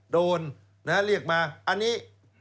โดนเรียกมาอันนี้